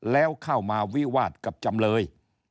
แล้วเข้ามาวิวาสกับจำเลย